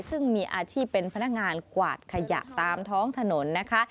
ซึ่งมีอาชีพเป็นพนักงานกวาดขยะตามท้องถนนนะคะ